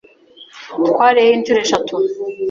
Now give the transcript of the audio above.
Twariyeyo inshuro eshatu.